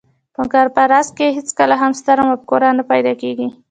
په کنفرانس کې هېڅکله هم ستره مفکوره نه پیدا کېږي.